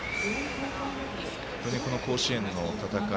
本当に、この甲子園の戦い